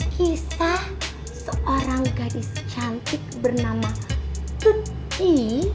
kisah seorang gadis cantik bernama tuti